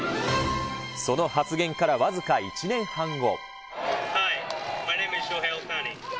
その発言から僅か１年半後。